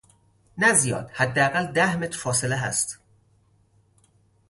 نه زیاد حداقل ده متر فاصله هست